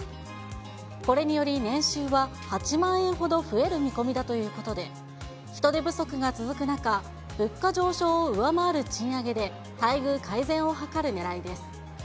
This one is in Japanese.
これにより、年収は８万円ほど増える見込みだということで、人手不足が続く中、物価上昇を上回る賃上げで待遇改善を図るねらいです。